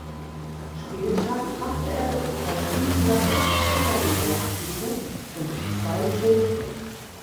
Spieltag brachte er es auf insgesamt acht Oberligaspiele und zwei Tore.